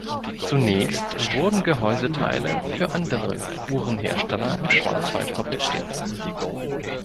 Zunächst wurden Gehäuseteile für andere Uhrenhersteller im Schwarzwald fabriziert.